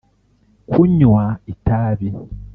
kunywa itabi